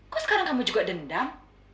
kok sekarang kamu juga dendam